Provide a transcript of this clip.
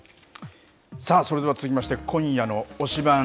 さあ、それでは続きまして、今夜の推しバン！